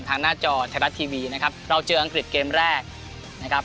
หน้าจอไทยรัฐทีวีนะครับเราเจออังกฤษเกมแรกนะครับ